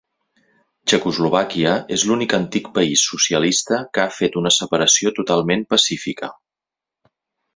Txecoslovàquia és l'únic antic país socialista que ha fet una separació totalment pacífica.